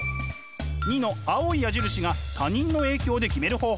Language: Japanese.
２の青い矢印が他人の影響で決める方法。